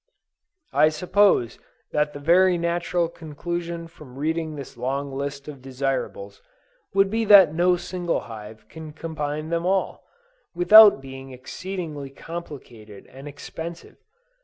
I suppose that the very natural conclusion from reading this long list of desirables, would be that no single hive can combine them all, without being exceedingly complicated and expensive.